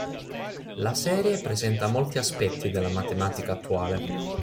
La serie presenta molti aspetti della matematica attuale.